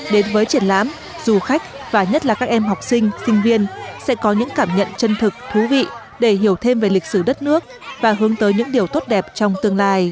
đến với triển lãm du khách và nhất là các em học sinh sinh viên sẽ có những cảm nhận chân thực thú vị để hiểu thêm về lịch sử đất nước và hướng tới những điều tốt đẹp trong tương lai